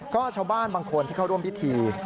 ก็ชาวบ้านบางคนที่เข้าร่วมพิธี